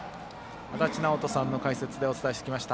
足達尚人さんの解説でお伝えしてきました。